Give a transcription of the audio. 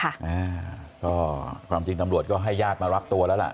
อ่าก็ความจริงตำรวจก็ให้ญาติมารับตัวแล้วล่ะ